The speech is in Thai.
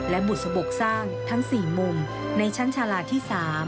และบุษบกสร้างทั้ง๔มุมในชั้นชาลาที่๓